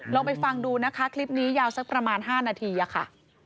ลองไปฟังดูนะคะคลิปนี้ยาวสักประมาณ๕นาทีค่ะ